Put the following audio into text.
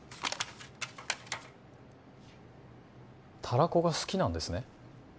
たらこが好きなんですね？